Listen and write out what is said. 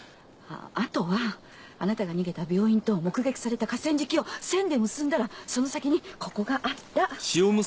あとはあなたが逃げた病院と目撃された河川敷を線で結んだらその先にここがあった。